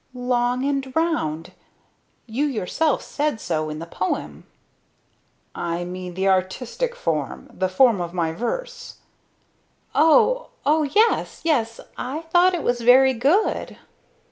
"Long and round. You yourself said so in the poem." "I mean the artistic form, the form of my verse." "Oh oh, yes. Yes, I thought it was very good."